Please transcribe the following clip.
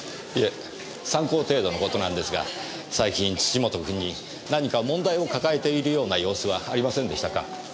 いえ参考程度の事なんですが最近土本君に何か問題を抱えているような様子はありませんでしたか？